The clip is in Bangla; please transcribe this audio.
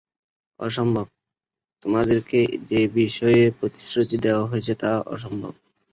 অসম্ভব, তোমাদেরকে যে বিষয়ে প্রতিশ্রুতি দেয়া হয়েছে তা অসম্ভব।